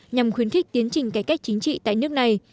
nhằm khuyến khích tiến trình cải cách chính trị tại nước này